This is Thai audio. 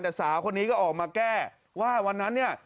แต่สาวคนนี้ก็ออกมาแก้ว่าวันนั้นเนี่ย